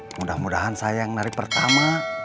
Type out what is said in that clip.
mudah mudahan saya bisa ke sini